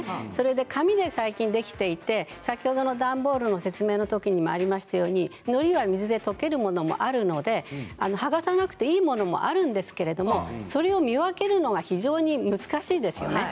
紙で最近できていて先ほどの段ボールの説明のときにもありましたけれどのりは水で溶けるものがありますので剥がさなくていいものもあるんですけれどそれを見分けるのが非常に難しいんですね。